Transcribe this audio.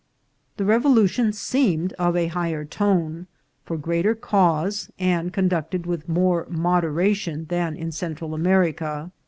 The revolution seemed of a higher tone, for greater cause, and conducted with more moderation than in Central America.